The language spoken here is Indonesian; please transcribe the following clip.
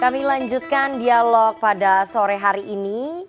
kami lanjutkan dialog pada sore hari ini